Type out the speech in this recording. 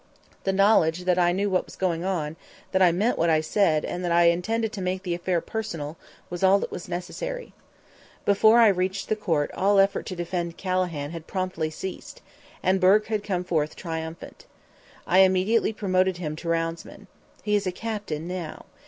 The knowledge that I knew what was going on, that I meant what I said, and that I intended to make the affair personal, was all that was necessary. Before I reached the court all effort to defend Calahan had promptly ceased, and Bourke had come forth triumphant. I immediately promoted him to roundsman. He is a captain now.